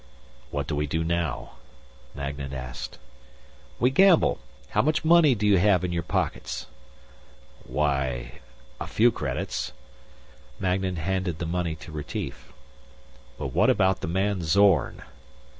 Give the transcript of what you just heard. "What do we do now?" Magnan asked. "We gamble. How much money do you have in your pockets?" "Why ... a few credits." Magnan handed the money to Retief. "But what about the man Zorn?"